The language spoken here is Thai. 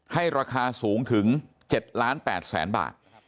ให้ราคาสูงถึง๗ล้าน๘แสนบาท